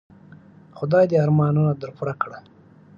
خدای دي ارمانونه در پوره کړه .